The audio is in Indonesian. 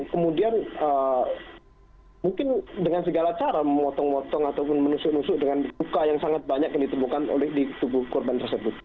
kemudian mungkin dengan segala cara memotong motong ataupun menusuk nusuk dengan duka yang sangat banyak yang ditemukan oleh di tubuh korban tersebut